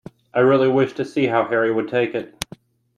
I really wished to see how Harry would take it.